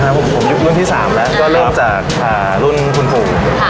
ร้านของผมนะฮะรุ่นที่๓แล้วก็เริ่มจากรุ่นคุณผู้